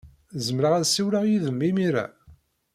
Zemreɣ ad ssiwleɣ yid-m imir-a?